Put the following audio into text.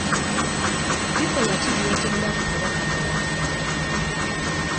Bikolwa ki by'otenda ku Kabaka Mawanda?